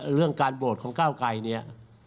เรื่องการโบสถ์ของเก้าไกยเนี่ย